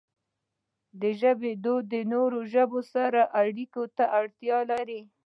د ژبې وده د نورو ژبو سره اړیکو ته اړتیا لري.